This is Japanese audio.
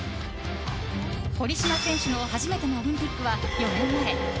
堀島選手の初めてのオリンピックは４年前。